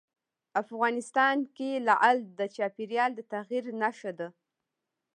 افغانستان کې لعل د چاپېریال د تغیر نښه ده.